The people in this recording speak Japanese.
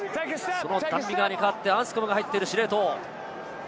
ダン・ビガーに代わってアンスコムが入っている司令塔。